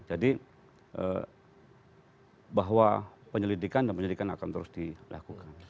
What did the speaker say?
jadi bahwa penyelidikan dan penyelidikan akan terus dilakukan